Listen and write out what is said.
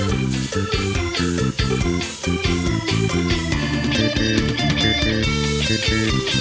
ไม่มีคำถามออกมากนะครับทุกนี้ยังมีคำถามที่สุดเท่านั้นค่ะ